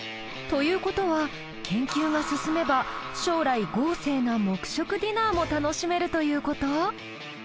という事は研究が進めば将来豪勢な木食ディナーも楽しめるという事？